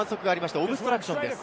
オブストラクションです。